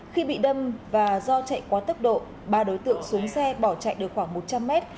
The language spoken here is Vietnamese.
khi bị đâm và do chạy quá tốc độ ba đối tượng xuống xe bỏ chạy được khoảng một trăm linh mét